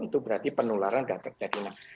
itu berarti penularan sudah terjadi